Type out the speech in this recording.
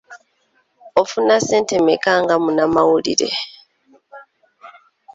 Ofuna ssente mmeka nga munnamawulire?